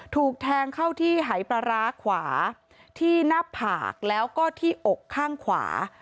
ถูกแทงเข้าที่หายปลาร้าขวาที่หน้าผากแล้วก็ที่อกข้างขวา